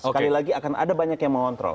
sekali lagi akan ada banyak yang mengontrol